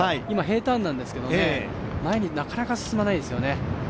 今、平たんなんですけど、前になかなか進まないですよね。